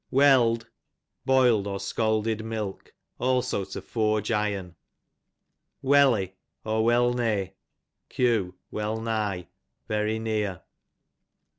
Weird, boiVd or scalded milk; also to forge iron. Welly, or Well ney, q. well nigh, very near.